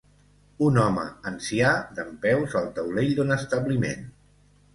Un home ancià dempeus al taulell d'un establiment.